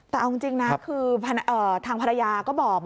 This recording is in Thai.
แต่เอาจริงนะคือทางภรรยาก็บอก